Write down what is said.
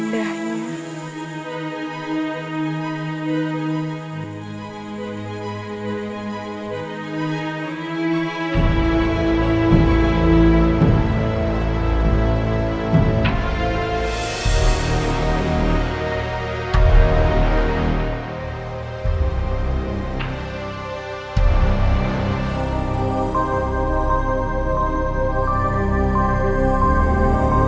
dengar suara alat musik